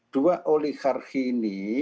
dua oligarki ini